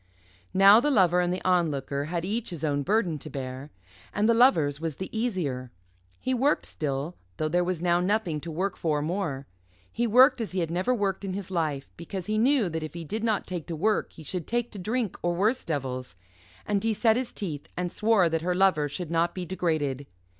Now the Lover and the Onlooker had each his own burden to bear. And the Lover's was the easier. He worked still, though there was now nothing to work for more; he worked as he had never worked in his life, because he knew that if he did not take to work he should take to drink or worse devils, and he set his teeth and swore that her Lover should not be degraded.